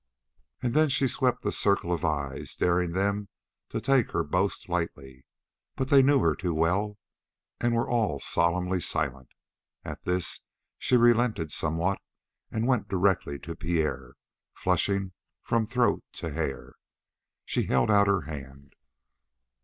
And then she swept the circle of eyes, daring them to take her boast lightly, but they knew her too well, and were all solemnly silent. At this she relented somewhat, and went directly to Pierre, flushing from throat to hair. She held out her hand.